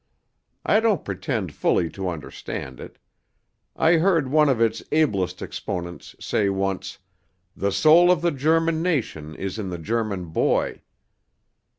I don't pretend fully to understand it. I heard one of its ablest exponents say once, 'The soul of the German nation is in the German boy.'